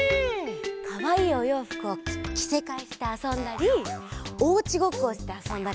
かわいいおようふくをきせかえしてあそんだりおうちごっこをしてあそんだりしてたよ。